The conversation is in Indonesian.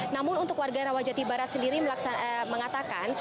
namun untuk warga rawajati barat sendiri mengatakan